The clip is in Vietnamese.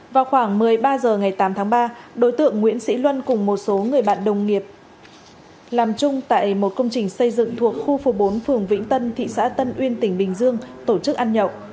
vào khoảng một mươi ba h ngày tám tháng ba đối tượng nguyễn sĩ luân cùng một số người bạn đồng nghiệp làm chung tại một công trình xây dựng thuộc khu phố bốn phường vĩnh tân thị xã tân uyên tỉnh bình dương tổ chức ăn nhậu